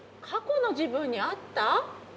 過去の自分に会った？